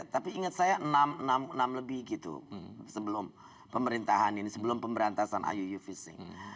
tapi ingat saya enam lebih gitu sebelum pemerintahan ini sebelum pemberantasan iuu fishing